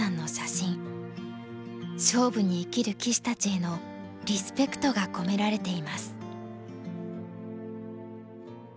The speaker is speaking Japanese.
勝負に生きる棋士たちへのリスペクトが込められています。